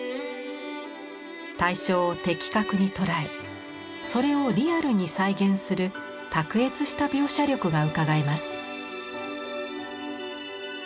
対象を的確に捉えそれをリアルに再現する卓越した描写力がうかがえます。